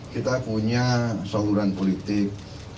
kita punya saluran politik